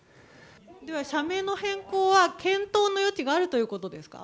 では、社名の変更は、検討の余地があるということですか？